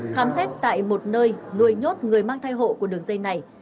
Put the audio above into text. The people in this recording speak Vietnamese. khám xét tại một nơi nuôi nhốt người mang thai hộ của đường dây này